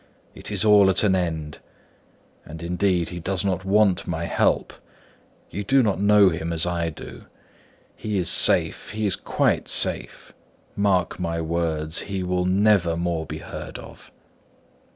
It is all at an end. And indeed he does not want my help; you do not know him as I do; he is safe, he is quite safe; mark my words, he will never more be heard of."